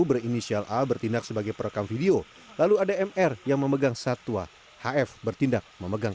berinisial a bertindak sebagai perekam video lalu ada mr yang memegang satwa hf bertindak memegang